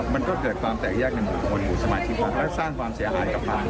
มันก็เกิดความแตกแยกในหมวดสมัยชีวิตและสร้างความเสียหายกับภาค